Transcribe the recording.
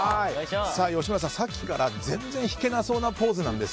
吉村さん、さっきから全然引けなさそうなポーズです。